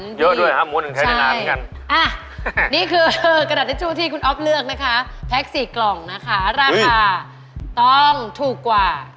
เยอะด้วยหรอม้วนแทนแผนนานเหมือนกันบอร์ชครับนี่คือกระดาษอินจูดที่คุณออฟเลือกนะคะแพ็ค๔กล่องนะคะราคาต้องถูกกว่า